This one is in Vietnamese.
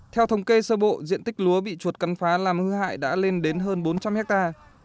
theo thống kê sơ bộ diện tích lúa bị chuột cắn phá làm hư hại đã lên đến hơn bốn trăm linh hectare